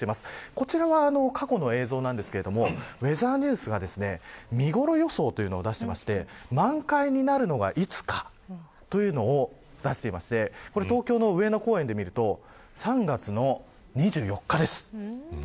こちらは過去の映像ですがウェザーニュースが見頃予想を出していて満開になるのはいつかというのを出していて東京の上野公園で見ると３月の２４日です。